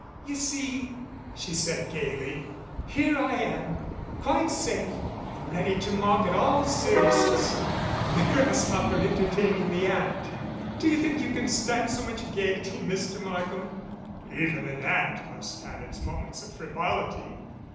"You see," she said gaily, "here I am quite safe and ready to mock at all seriousness the grasshopper entertaining the ant. Do you think you can stand so much gayety, Mr. Markham?" "Even an ant must have its moments of frivolity."